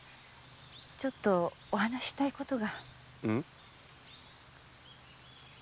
ちょっとお話したいことが。